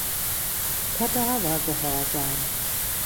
Kadavergehorsam.